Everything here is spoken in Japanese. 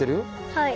はい。